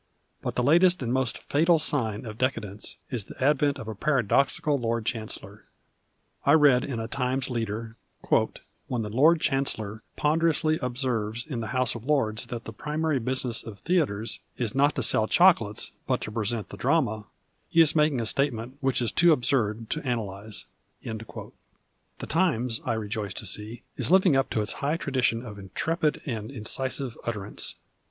But the latest and most fatal sign of dccadcnee is the advent of a paradoxical Lord Chancellor. I read in a I'imes leader :—" When the Lord Chancellor ponderously observes in the House of Lords that the primary business of theatres ' is not to sell chocolates but to present the drama,' he is making a statement which is too absurd to analyse." The Times, I rejoice to see, is living up to its high traditions of intrepid and incisive utterance.